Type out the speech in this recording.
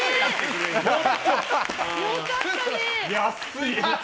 安い。